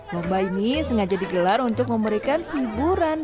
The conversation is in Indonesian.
lomba ini sengaja digelar untuk memberikan hiburan